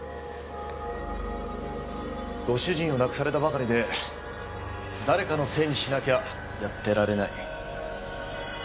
ご主人を亡くされたばかりで誰かのせいにしなきゃやってられない。